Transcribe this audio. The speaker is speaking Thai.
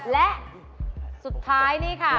และสุดท้ายนี่ค่ะ